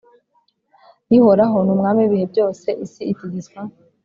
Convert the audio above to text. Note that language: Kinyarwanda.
Ihoraho ni umwami w ibihe byose isi itigiswa